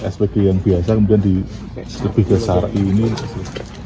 spg yang biasa kemudian di lebih besar ini